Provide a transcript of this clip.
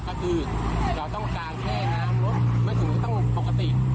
ก็คือเราต้องการแค่น้ำรถไม่ถึงก็ต้องปกติ